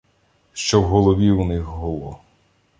Що в голові у них гуло.